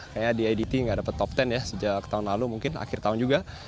kayaknya di idt nggak dapat top sepuluh ya sejak tahun lalu mungkin akhir tahun juga